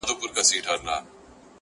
څه عاشقانه څه مستانه څه رندانه غزل,